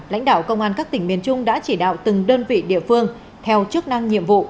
lãnh đạo công an các tỉnh miền trung đã chỉ đạo từng đơn vị địa phương theo chức năng nhiệm vụ